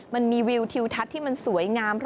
มันมีวิวทิวทัศน์ที่มันสวยงาม